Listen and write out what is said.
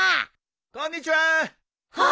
・こんにちは。